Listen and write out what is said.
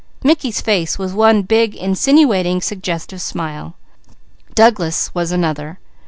Mickey's face was one big insinuating, suggestive smile. Douglas' was another.